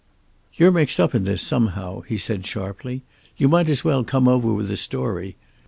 "You're mixed up in this somehow," he said sharply. "You might as well come over with the story.